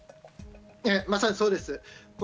まさにそうです。